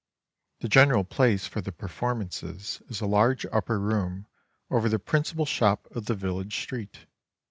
The general place for the performances is a large upper room over the principal shop of the village street.